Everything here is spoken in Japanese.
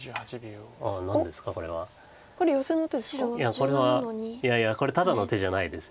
いやこれはいやいやこれただの手じゃないです。